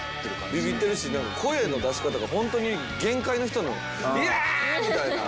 ビビってるし声の出し方がホントに限界の人の「嫌！」みたいな。